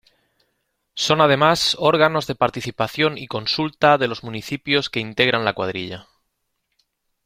Son además órganos de participación y consulta de los municipios que integran la cuadrilla.